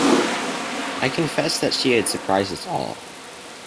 I confessed that she had surprised us all.